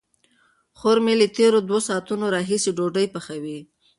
خور مې له تېرو دوو ساعتونو راهیسې ډوډۍ پخوي.